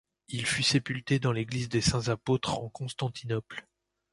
Il fut sépulté dans l'église des Saints-Apôtres en Constantinople.